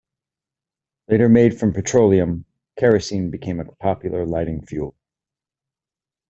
Later made from petroleum, kerosene became a popular lighting fuel.